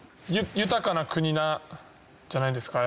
豊かな国なんじゃないですか？